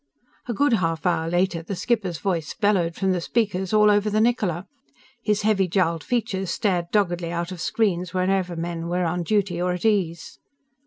A good half hour later the skipper's voice bellowed from the speakers all over the Niccola. His heavy jowled features stared doggedly out of screens wherever men were on duty or at ease.